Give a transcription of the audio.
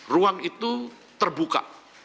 ruang itu terbuka